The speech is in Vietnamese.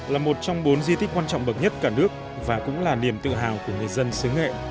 là một trong bốn di tích quan trọng bậc nhất cả nước và cũng là niềm tự hào của người dân xứ nghệ